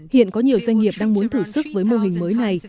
hiện có nhiều doanh nghiệp đang muốn thử sức với mô hình mới này